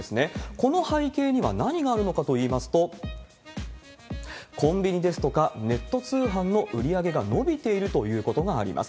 この背景には何があるのかといいますと、コンビニですとかネット通販の売り上げが伸びているということがあります。